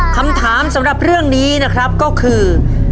คำถามสำหรับเรื่องนี้นะครับก็คือ